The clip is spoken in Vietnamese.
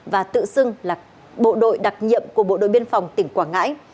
và tự xưng là bộ đội đặc nhiệm của bộ đội biên phòng tỉnh quảng ngãi